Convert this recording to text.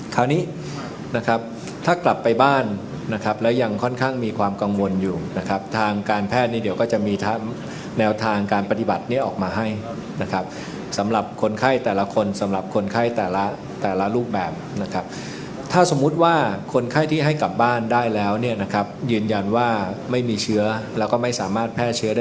คราวนี้นะครับถ้ากลับไปบ้านนะครับแล้วยังค่อนข้างมีความกังวลอยู่นะครับทางการแพทย์นี้เดี๋ยวก็จะมีทั้งแนวทางการปฏิบัตินี้ออกมาให้นะครับสำหรับคนไข้แต่ละคนสำหรับคนไข้แต่ละแต่ละรูปแบบนะครับถ้าสมมุติว่าคนไข้ที่ให้กลับบ้านได้แล้วเนี่ยนะครับยืนยันว่าไม่มีเชื้อแล้วก็ไม่สามารถแพร่เชื้อได้